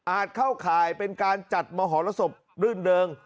อาจเข้าข่าวเป็นการจัดมหานศพเรื่องเดิม